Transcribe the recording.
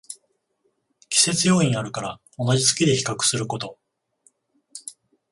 季節要因あるから同じ月で比較すること